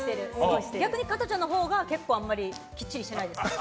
逆に加トちゃんのほうがきっちりしてないです。